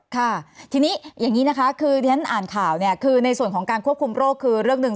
ค่ะทีนี้อย่างนี้นะคะคือที่ฉันอ่านข่าวเนี่ยคือในส่วนของการควบคุมโรคคือเรื่องหนึ่ง